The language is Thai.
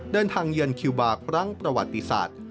เดินทางเยือนคิวบาร์กลั้งประวัติศาสตร์